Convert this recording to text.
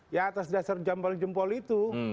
ya atas dasar jempol jempol itu